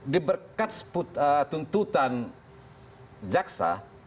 di berkat tuntutan jaksa